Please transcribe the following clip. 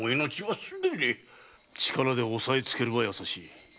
力で押さえつけるはやさしい。